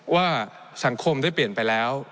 ว่าสังคมได้เปลี่ยนไปแล้ว